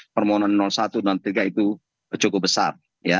dan saya mengatakan permohonan satu dan tiga itu cukup besar